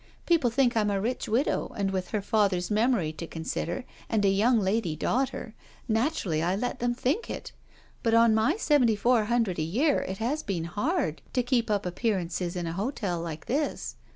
People think I'm a rich widow, and with her father's memory to consider and a young lady daughter, naturally I let them think it, but on my seventy four hundred a year it has been hard to keep up appearances in a hotel like this.